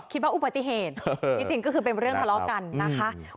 อุบัติเหตุจริงก็คือเป็นเรื่องทะเลาะกันนะคะ